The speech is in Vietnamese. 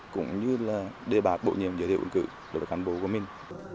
cũng như là đề bạt bổ nhiệm giới thiệu ứng cử đối với cán bộ của mình